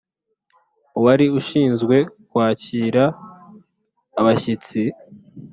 uwari ushinzwe kwakira abashyitsi